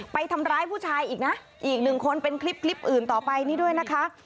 ไปทำร้ายผู้ชายอีกนะอีกหนึ่งคนเป็นคลิปคลิปอื่นต่อไปนี้ด้วยนะคะ